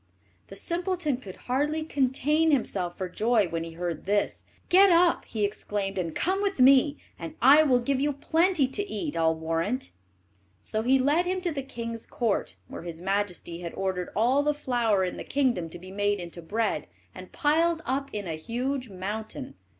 The simpleton could hardly contain himself for joy when he heard this. "Get up," he exclaimed, "and come with me, and I will give you plenty to eat, I'll warrant." So he led him to the king's court, where his majesty had ordered all the flour in the kingdom to be made into bread, and piled up in a huge mountain.